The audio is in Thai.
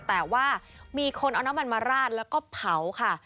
แต่ว่ามีคนเอาน้ำมันมาราดแล้วก็เผาค่ะ